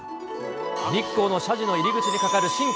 日光の社寺の入り口に架かる神橋。